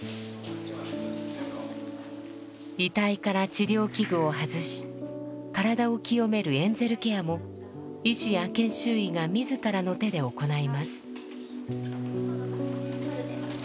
遺体から治療器具を外し体を清めるエンゼルケアも医師や研修医が自らの手で行います。